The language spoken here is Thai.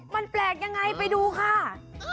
มันแปลกยังไงไปดูค่ะ